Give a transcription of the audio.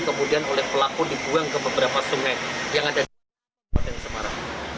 kemudian oleh pelaku dibuang ke beberapa sungai yang ada di kabupaten semarang